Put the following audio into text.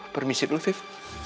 permisi dulu viv